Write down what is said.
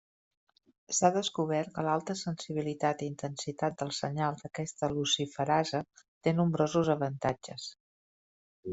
S’ha descobert que l’alta sensibilitat i intensitat del senyal d’aquesta luciferasa té nombrosos avantatges.